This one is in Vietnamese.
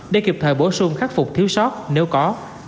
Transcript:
để kịp thời bổ sung khắc phục thiếu sót nếu có